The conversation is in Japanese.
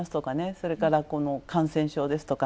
それから感染症ですとか